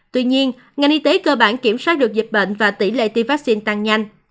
tuy nhiên ngành y tế cơ bản kiểm soát được dịch bệnh và tỷ lệ tiêm vaccine tăng nhanh